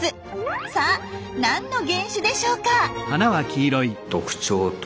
さあ何の原種でしょうか？